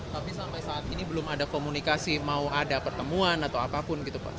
tapi sampai saat ini belum ada komunikasi mau ada pertemuan atau apapun gitu pak